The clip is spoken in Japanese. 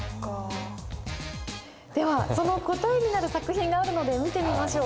ではその答えになる作品があるので見てみましょう。